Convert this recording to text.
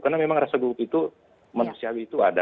karena memang rasa gugup itu manusiawi itu ada